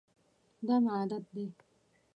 دا مي عادت دی .